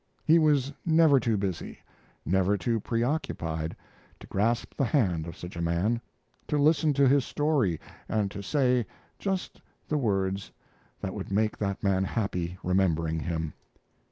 He was never too busy, never too preoccupied, to grasp the hand of such a man; to listen to his story, and to say just the words that would make that man happy remembering them.